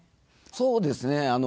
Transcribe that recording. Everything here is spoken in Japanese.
そうですね。